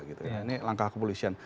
ini langkah kepolisian